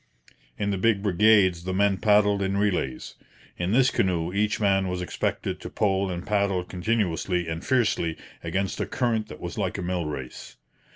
In the big brigades the men paddled in relays. In this canoe each man was expected to pole and paddle continuously and fiercely against a current that was like a mill race.